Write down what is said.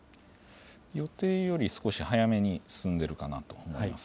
予定より少し早めに進んでいるかなと思われます。